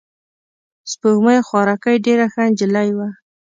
سپوږمۍ خوارکۍ ډېره ښه نجلۍ وه.